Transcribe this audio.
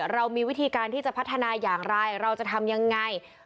เรามีวิธีการที่จะพัฒนาอย่างไรเราจะทำยังไง